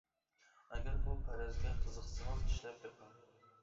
ئەگەر بۇ پەرەزگە قىزىقسىڭىز ئىشلەپ بېقىڭ.